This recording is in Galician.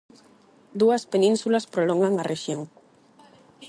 Dúas penínsulas prolongan a rexión.